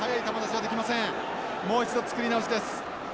もう一度作り直しです。